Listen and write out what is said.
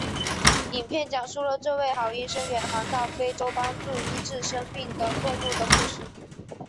影片讲述了这位好医生远航到非洲帮助医治生病的动物的故事。